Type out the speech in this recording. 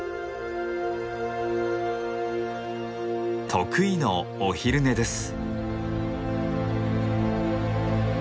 得意のお昼寝です。